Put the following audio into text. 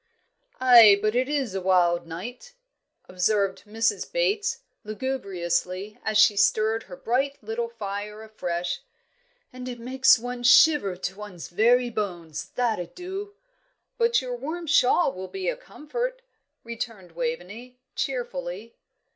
"Aye, but it is a wild night," observed Mrs. Bates, lugubriously, as she stirred her bright little fire afresh, "and it makes one shiver to one's very bones, that it do." "But your warm shawl will be a comfort," returned Waveney, cheerfully.